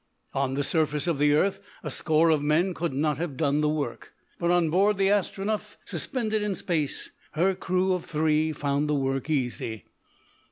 On the surface of the earth a score of men could not have done the work, but on board the Astronef, suspended in Space, her crew of three found the work easy.